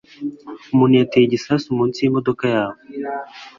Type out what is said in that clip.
Umuntu yateye igisasu munsi yimodoka yawe.